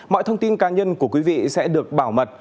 mọi thông tin cá nhân của quý vị sẽ được bảo mật